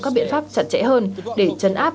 các biện pháp chặt chẽ hơn để chấn áp